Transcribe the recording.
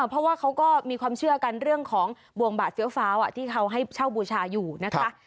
เพราะว่าเขาก็มีความเชื่อกันเรื่องของบวงบาดเฟี้ยวฟ้าวที่เขาให้เช่าบูชาอยู่นะคะ